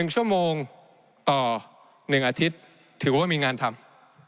๑ชั่วโมงต่อ๑อาทิตย์ถือว่ามีงานทำ